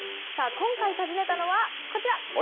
今回訪ねたのはこちら。